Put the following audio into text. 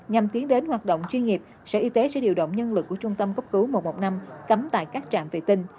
nhằm tiến đến hoạt động chuyên nghiệp sở y tế sẽ điều động nhân lực của trung tâm cấp cứu một trăm một mươi năm cấm tại các trạm vệ tinh